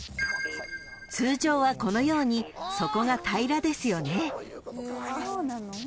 ［通常はこのように底が平らですよね］